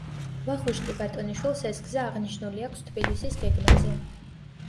ვახუშტი ბატონიშვილს ეს გზა აღნიშნული აქვს თბილისის გეგმაზე.